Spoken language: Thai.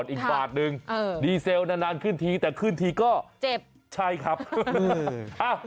อีกบาทนึงดีเซลนานนานขึ้นทีแต่ขึ้นทีก็เจ็บใช่ครับ